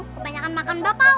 kebanyakan makan bapau